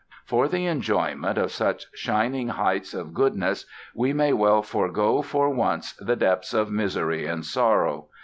For the enjoyment of such shining heights of goodness we may well forego for once the depths of misery and sorrow".